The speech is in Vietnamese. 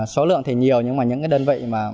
số lượng thì nhiều nhưng mà những cái đơn vị mà